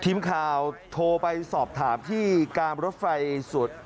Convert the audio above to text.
ทีมข่าวโทรไปสอบถามที่การรถไฟสุด